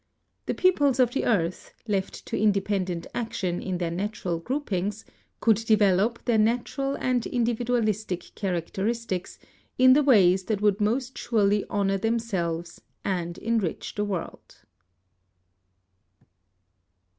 The peoples of the earth, left to independent action in their natural groupings, could develop their natural and indi vidual characteristics in the ways that would most surely honor themselves and enrich the world.